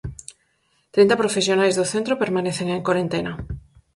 Trinta profesionais do centro permanecen en corentena.